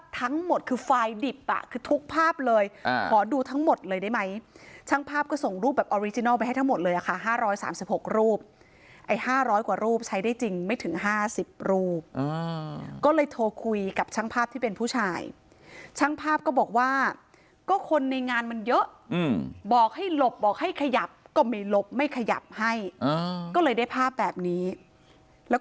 ทั้งหมดคือไฟล์ดิบอ่ะคือทุกภาพเลยขอดูทั้งหมดเลยได้ไหมช่างภาพก็ส่งรูปแบบออริจินัลไปให้ทั้งหมดเลยอะค่ะ๕๓๖รูปไอ้๕๐๐กว่ารูปใช้ได้จริงไม่ถึง๕๐รูปก็เลยโทรคุยกับช่างภาพที่เป็นผู้ชายช่างภาพก็บอกว่าก็คนในงานมันเยอะบอกให้หลบบอกให้ขยับก็ไม่หลบไม่ขยับให้ก็เลยได้ภาพแบบนี้แล้วก็